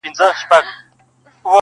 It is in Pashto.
څلورمه هغه آش هغه کاسه وه-